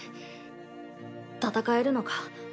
戦えるのか？